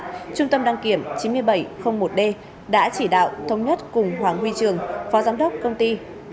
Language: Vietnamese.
trung tâm đăng kiểm chín nghìn bảy trăm linh một d đã chỉ đạo thống nhất cùng hoàng huy trường phó giám đốc công ty